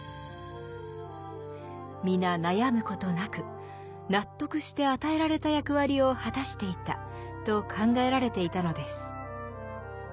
皆悩むことなく納得して与えられた役割を果たしていたと考えられていたのです。